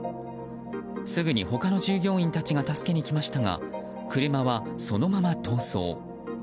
すぐに他の従業員たちが助けに来ましたが車はそのまま逃走。